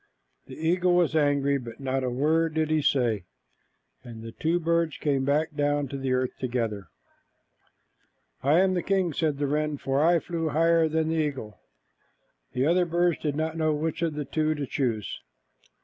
The eagle was angry, but not a word did he say, and the two birds came down to the earth together. "I am the king," said the wren, "for I flew higher than the eagle." The other birds did not know which of the two to choose.